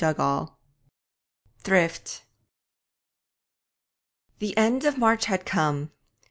III THRIFT The end of March had come.